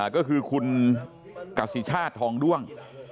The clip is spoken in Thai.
ก็คือคุณกสิชาติทองด้วง